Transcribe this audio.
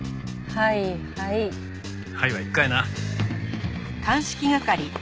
「はい」は１回な。